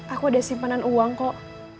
aku ada simpanan uang kok